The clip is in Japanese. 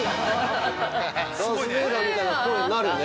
◆ダース・ベイダーみたいな声になるね。